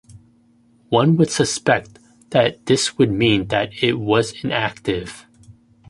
One would suspect that this would mean that it was inactive.